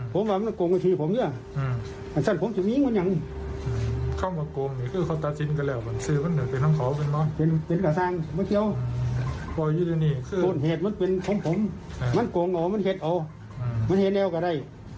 พี่ปีธองมันเห็นอะไร